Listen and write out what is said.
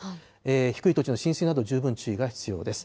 低い土地の浸水など、十分注意が必要です。